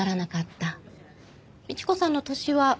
倫子さんの年は。